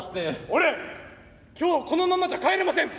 俺今日このままじゃ帰れません！